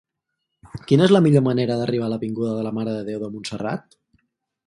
Quina és la millor manera d'arribar a l'avinguda de la Mare de Déu de Montserrat?